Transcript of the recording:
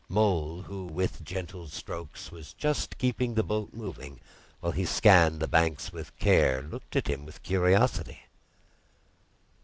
Mole, who with gentle strokes was just keeping the boat moving while he scanned the banks with care, looked at him with curiosity.